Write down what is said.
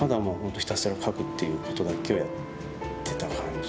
ひたすら描くっていうことだけをやってた感じで。